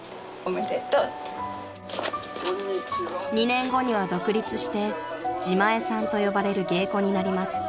［２年後には独立して自前さんと呼ばれる芸妓になります］